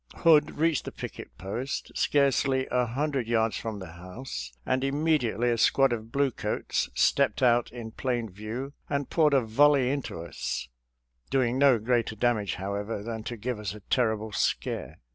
Hood reached the picket post scarcely a hundred yards from the house, and immedi ately a squad of bluecoats stepped out in plain view and poured a volley into us — doing no greater damage, however, than to give us a ter rible scare.